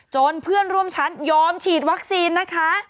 เพื่อนร่วมชั้นยอมฉีดวัคซีนนะคะ